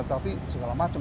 tapi segala macam